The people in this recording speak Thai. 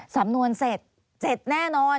สำนวนเสร็จแน่นอน